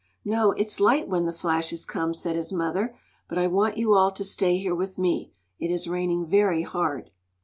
"No, it's light when the flashes come," said his mother. "But I want you all to stay here with me. It is raining very hard."